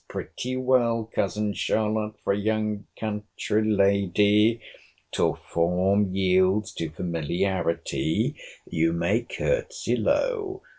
— Pretty well, Cousin Charlotte, for a young country lady! Till form yields to familiarity, you may courtesy low.